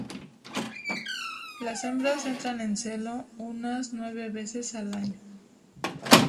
Las hembras entran en celo una nueve veces al año.